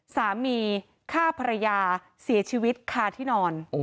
สามีฆ่าภรรยาเสียชีวิตคาที่นอน